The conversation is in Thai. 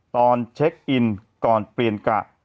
ตอนเช็คอินก่อนเปลี่ยนกะ